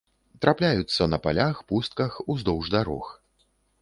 Трапляюцца на палях, пустках, уздоўж дарог.